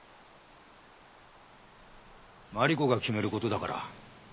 マリコが決める事だから。